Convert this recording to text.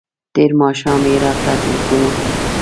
تېر ماښام یې راته تلیفون وکړ.